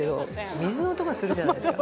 水の音がするじゃないですか。